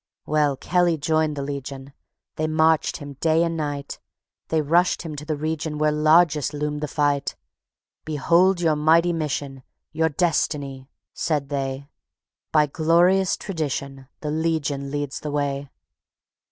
"_ Well, Kelly joined the Legion; They marched him day and night; They rushed him to the region Where largest loomed the fight. "Behold your mighty mission, Your destiny," said they; "By glorious tradition The Legion leads the way.